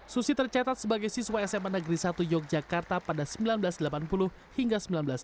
susi tercatat sebagai siswa sma negeri satu yogyakarta pada seribu sembilan ratus delapan puluh hingga seribu sembilan ratus sembilan puluh